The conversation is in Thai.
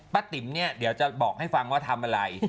ติ๋มเนี่ยเดี๋ยวจะบอกให้ฟังว่าทำอะไร